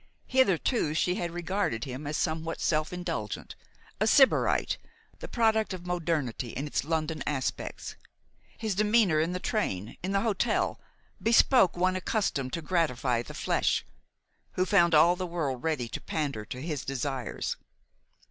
Hitherto she had regarded him as somewhat self indulgent, a Sybarite, the product of modernity in its London aspects. His demeanor in the train, in the hotel, bespoke one accustomed to gratify the flesh, who found all the world ready to pander to his desires.